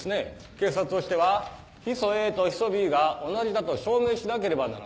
警察としてはヒ素Ａとヒ素Ｂが同じだと証明しなければならない。